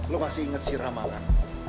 lo masih inget si ramalan